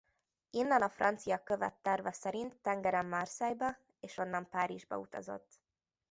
Innen a francia követ terve szerint tengeren Marseille-be és onnan Párizsba utazott.